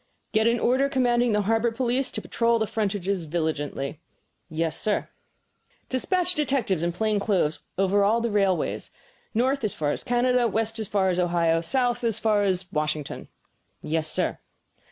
"Get an order commanding the harbor police to patrol the frontages vigilantly." "Yes, sir." "Despatch detectives in plain clothes over all the railways, north as far as Canada, west as far as Ohio, south as far as Washington." "Yes, sir."